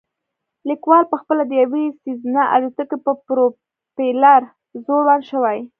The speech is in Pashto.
لیکوال پخپله د یوې سیزنا الوتکې په پروپیلر ځوړند شوی